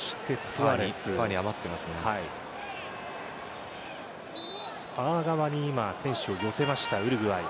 ファー側に今、選手を寄せましたウルグアイ。